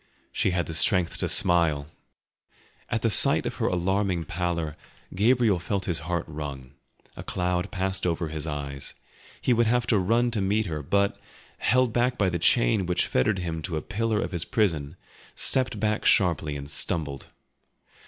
She had the strength to smile! At the sight of her alarming pallor Gabriel felt his heart wrung, a cloud passed over his eyes; he would have run to meet her, but, held back by the chain which fettered him to a pillar of his prison, stepped back sharply and stumbled.